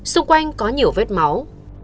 xung quanh có nhiều vết máu